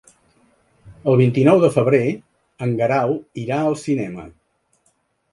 El vint-i-nou de febrer en Guerau irà al cinema.